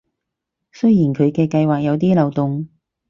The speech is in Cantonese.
雖然佢嘅計畫有啲漏洞